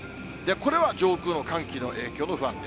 これは上空の寒気の影響の不安定。